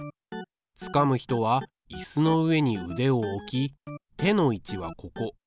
つかむ人はいすの上にうでを置き手の位置はここ。